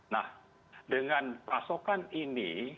nah dengan pasokan ini